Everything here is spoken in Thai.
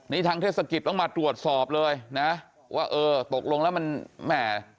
นี่ทางเทศกิจต้องมาตรวจสอบเลยนะว่าเออตกลงแล้วมันแหม่